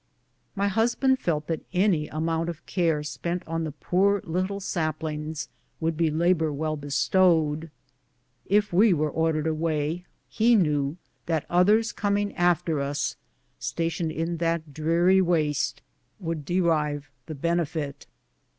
My husband felt that any amount of care spent on the poor little saplings would be labor well bestowed. If we w^ere ordered away, he knew that others coming after us, stationed in that dreary waste, would derive the benefit.